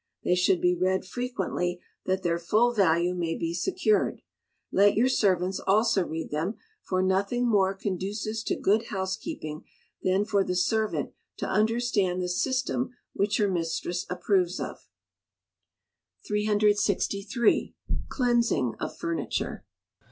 They should be read frequently that their full value may be secured. Let your servants also read them, for nothing more conduces to good housekeeping than for the servant to understand the "system" which her mistress approves of. 363. Cleansing of Furniture.